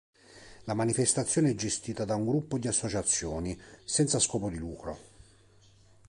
La manifestazione è gestita da un gruppo di associazioni, senza scopo di lucro.